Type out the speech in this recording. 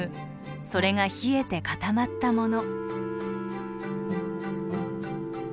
それが冷えて固まったもの。